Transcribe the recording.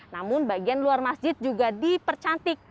namun bagian luar masjid juga dipercantik